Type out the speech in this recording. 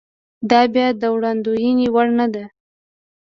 دا بیا د وړاندوېنې وړ نه ده.